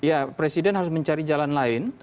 ya presiden harus mencari jalan lain